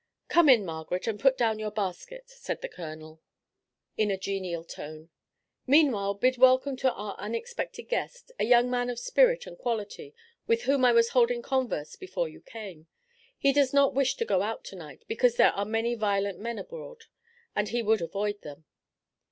"Come in, Margaret, and put down your basket," said the colonel in a genial tone. "Meanwhile bid welcome to our unexpected guest, a young man of spirit and quality with whom I was holding converse before you came. He does not wish to go out to night, because there are many violent men abroad, and he would avoid them."